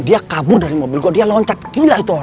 dia kabur dari mobil gua dia loncat gila itu